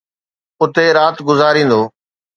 اتي رات گذاريندو